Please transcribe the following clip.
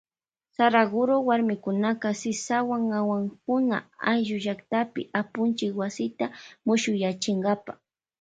Saraguro warmikunaka sisawan awankuna ayllu llaktapi apunchik wasita mushuyachinkapa.